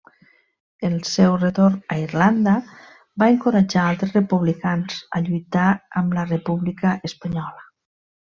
Al seu retorn a Irlanda, va encoratjar altres republicans a lluitar amb la República Espanyola.